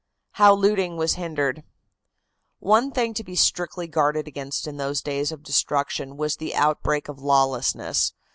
HOW LOOTING WAS HINDERED. One thing to be strictly guarded against in those days of destruction was the outbreak of lawlessness.